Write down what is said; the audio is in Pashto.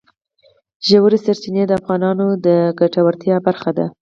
ژورې سرچینې د افغانانو د ګټورتیا برخه ده.